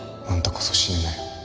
あんたこそ死ぬなよ。